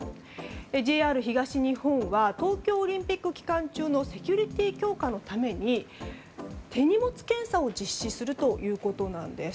ＪＲ東日本は東京オリンピック期間中のセキュリティー強化のために手荷物検査を実施するということなんです。